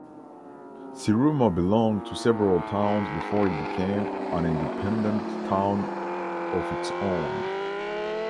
Siruma belonged to several towns before it became an independent town of its own.